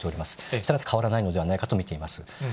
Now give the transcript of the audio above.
従って変わらないのではないかと見ています。